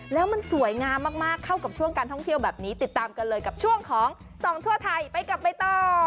แล้วมันสวยงามมากเข้ากับช่วงการท่องเที่ยวแบบนี้ติดตามกันเลยกับช่วงของส่องทั่วไทยไปกับใบต่อ